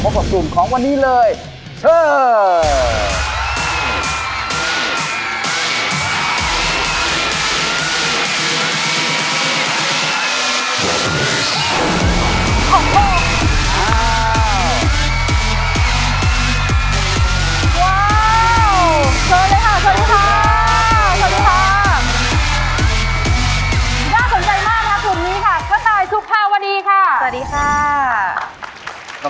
สวัสดีค่ะ